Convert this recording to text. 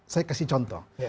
saya kasih contoh